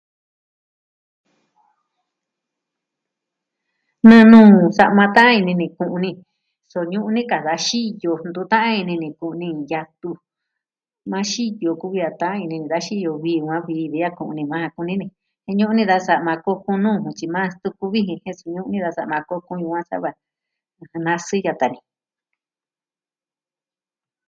Nee nuu ñuu sa'ma ta'an ini ni ku'u ni. Suu ñuu ni ka da xiyo ntu ta'an ini ni ku'u ni yatu. Maa xiyo kuvi a ta'an ini ni. Da xiyo vi va vi de a ku'u ni maa kuni ni. iin ñu'un ni da sa'ma kokun u tyi maa tuku vijin jen suu nuni da sa'ma kokun ni a sa'a va. ɨjɨn, nasii yata ni.